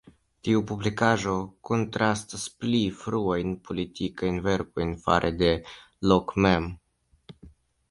Tiu publikaĵo kontrastas pli fruajn politikajn verkojn fare de Locke mem.